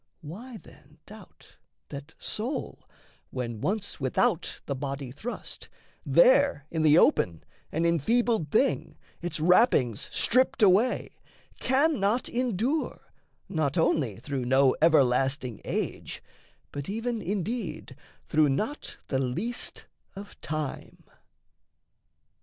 Why, then, doubt That soul, when once without the body thrust, There in the open, an enfeebled thing, Its wrappings stripped away, cannot endure Not only through no everlasting age, But even, indeed, through not the least of time?